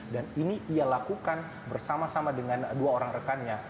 dan ini ia lakukan bersama sama dengan dua orang rekannya